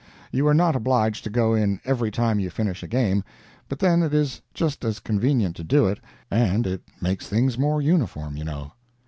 You are not obliged to go in every time you finish a game, but then it is just as convenient to do it, and it makes things more uniform, you know.